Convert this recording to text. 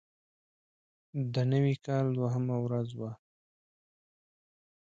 د نوي کال دوهمه ورځ وه.